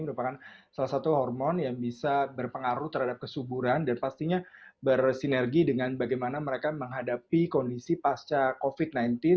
merupakan salah satu hormon yang bisa berpengaruh terhadap kesuburan dan pastinya bersinergi dengan bagaimana mereka menghadapi kondisi pasca covid sembilan belas